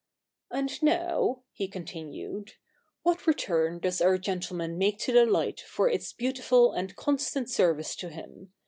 'And now,' he continued, 'what return does our gentleman make to the light for its beautiful and constant service to him